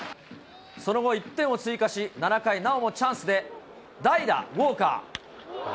その後１点を追加し、７回、なおもチャンスで代打、ウォーカー。